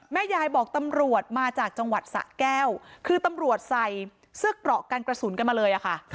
แม่ยายบอกตำรวจมาจากจังหวัดสะแก้วคือตำรวจใส่เสื้อเกราะกันกระสุนกันมาเลยอะค่ะ